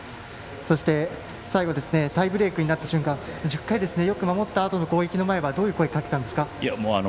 そして、最後タイブレークになった瞬間１０回、よく守ったあとの攻撃の時はどういう声をかけたんですか？